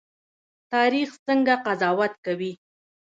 تاریخ څنګه قضاوت کوي؟